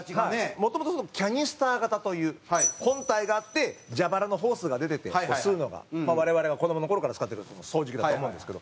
もともと、キャニスター型という本体があって蛇腹のホースが出てて吸うのが我々が子どもの頃から使ってる掃除機だと思うんですけど。